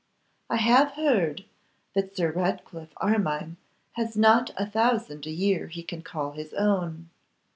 I have heard that Sir Ratcliffe Armine has not a thousand a year he can call his own.